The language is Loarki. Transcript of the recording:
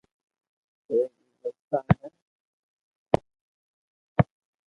ايڪ گلگيت بلچستان ھي